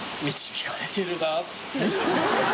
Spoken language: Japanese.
導かれてる」